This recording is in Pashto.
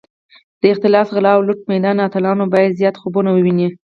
د اختلاس، غلا او لوټ میدان اتلان باید زیات خوبونه وویني.